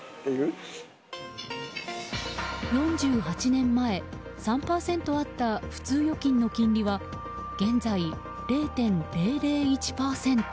４８年前、３％あった普通預金の金利は現在、０．００１％。